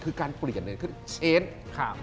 คือการเปลี่ยนเอง